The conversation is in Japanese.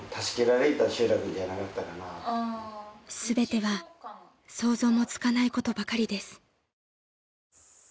［全ては想像もつかないことばかりです］